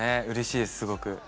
うれしいですすごく。